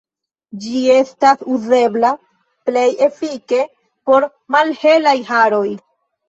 Ĝi ne estas uzebla plej efike por malhelaj haroj.